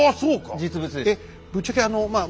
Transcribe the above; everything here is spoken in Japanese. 実物です。